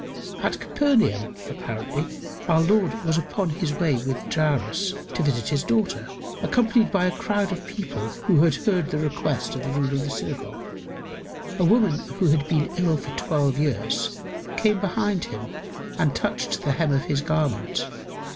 At Capernaum, apparently, our Lord was upon his way with Jairus to visit his daughter, accompanied by a crowd of people who had heard the request of the ruler of the synagogue. A woman who had been ill for twelve years, came behind him and touched the hem of his garment.